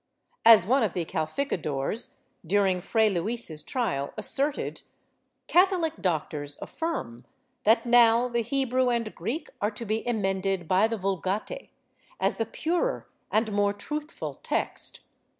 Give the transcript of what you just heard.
As one of the calificadores, during Fray Luis's trial, asserted ''Catholic doctors affirm that now the Hebrew and Greek are to be emended l^y the Vulgate, as the purer and more truthful text.